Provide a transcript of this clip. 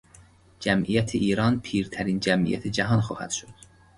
جمعیت ایران پیرترین جمعیت جهان خواهد شد